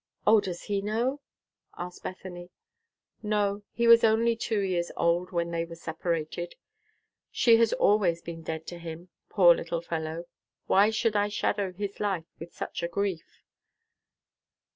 "O, does he know?" asked Bethany. "No, he was only two years old when they were separated. She has always been dead to him. Poor, little fellow! Why should I shadow his life with such a grief?"